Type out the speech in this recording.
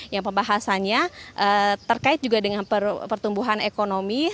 yang pembahasannya terkait juga dengan pertumbuhan ekonomi